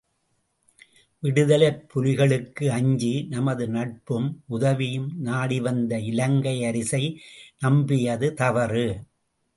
விடுதலைப் புலிகளுக்கு அஞ்சி நமது நட்பும் உதவியும் நாடிவந்த இலங்கை அரசை நம்பியது தவறு.